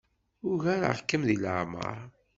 Ugareɣ-kem deg leɛmeṛ.